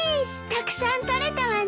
たくさん取れたわね。